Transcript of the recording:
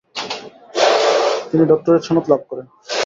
তিনি ডক্টরেট সনদ লাভ করেন।